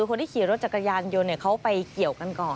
คนที่ขี่รถจักรยานยนต์เขาไปเกี่ยวกันก่อน